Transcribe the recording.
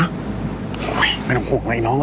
โอ้ยไม่ต้องห่วงไงน้องว่ะ